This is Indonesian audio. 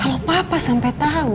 kalau papa sampai tau